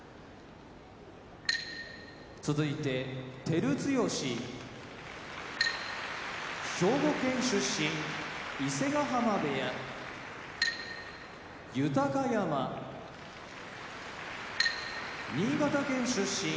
照強兵庫県出身伊勢ヶ濱部屋豊山新潟県出身